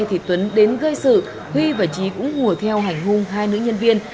thì tuấn đến gây sự huy và trí cũng ngồi theo hành hung hai nữ nhân viên